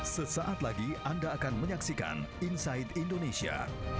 sesaat lagi anda akan menyaksikan inside indonesia